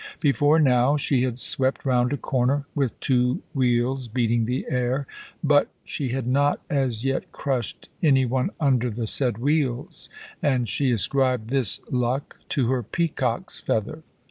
Before now she had swept round a corner with two wheels beating the air. But she had not as yet crushed any one under the said wheels, and she ascribed this luck to her peacock's feather.